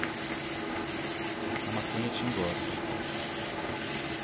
A maconha te engorda